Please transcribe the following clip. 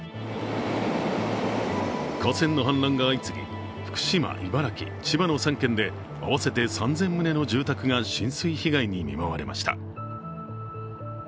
河川の氾濫がら相次ぎ、福島、茨城、千葉の３県で合わせて３０００棟の住宅が浸水被害に見舞われました。